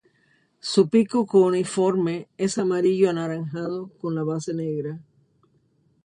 Su pico cuneiforme es amarillo anaranjado con la base negra.